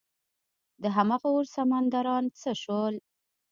دهمغه اور سمندران څه شول؟